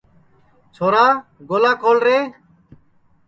چھورا گولا کھول رے